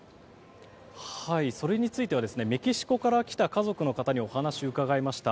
それについてはメキシコから来た家族の方にお話を伺いました。